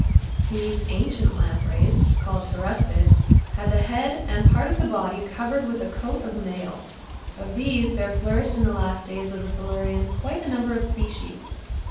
These ancient lampreys, called Pteraspids, had the head and part of the body covered with a coat of mail. Of these there flourished in the last days of the Silurian quite a number of species.